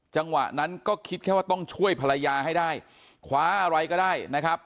จังหวะนั้นก็คิดแค่ว่าต้องช่วยภรรยาให้ได้คว้าอะไรก็ได้นะครับ